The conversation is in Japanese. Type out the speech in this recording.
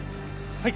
はい！